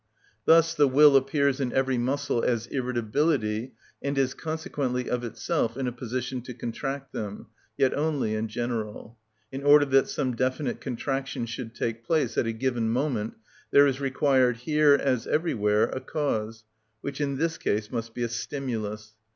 Thus the will appears in every muscle as irritability, and is consequently of itself in a position to contract them, yet only in general; in order that some definite contraction should take place at a given moment, there is required here, as everywhere, a cause, which in this case must be a stimulus.